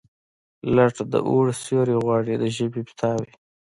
لټ د اوړي سیوري غواړي، د ژمي پیتاوي.